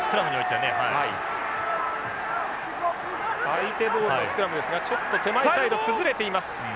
相手ボールのスクラムですがちょっと手前サイド崩れています。